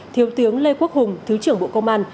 thiếu tướng lê quốc hùng thứ trưởng bộ công an